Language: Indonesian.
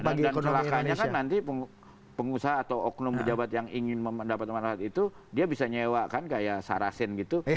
dan keuntungannya kan nanti pengusaha atau oknum pejabat yang ingin mendapat manfaat itu dia bisa nyewa kan kayak sarasin gitu